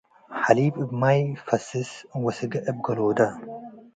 ሐሊብ እብ ማይ ፈስስ ወስጋ እብ ገሎደ።